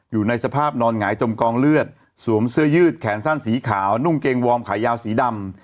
อยู่ในสภาพนอนหงายจมกองเลือดสวมเสื้อยืดแขนสั้นสีขาวนุ่งเกงวอร์มขายาวสีดำ